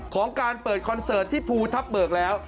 ของการเปิดคอนเสิร์ตที่ภูทับเบิกแล้ว